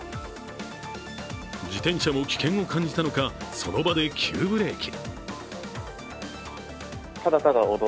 自転車も危険を感じたのか、その場で急ブレーキ。